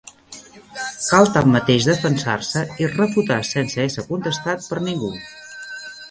Cal tanmateix defensar-se i refutar sense ésser contestat per ningú.